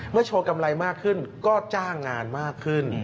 โชว์กำไรมากขึ้นก็จ้างงานมากขึ้น